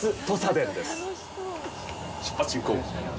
出発進行！